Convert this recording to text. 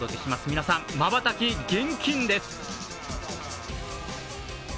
皆さん、まばたき厳禁です！